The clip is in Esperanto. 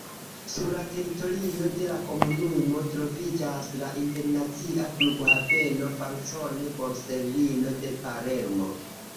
Sur la teritorio de la komunumo troviĝas la internacia Flughaveno Falcone-Borsellino de Palermo.